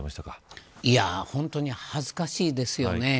本当に恥ずかしいですよね。